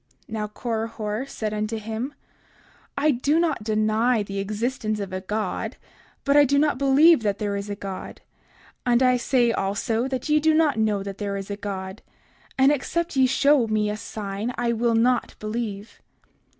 30:48 Now Korihor said unto him: I do not deny the existence of a God, but I do not believe that there is a God; and I say also, that ye do not know that there is a God; and except ye show me a sign, I will not believe.